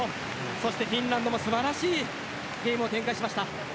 そしてフィンランドも素晴らしいゲームを展開しました。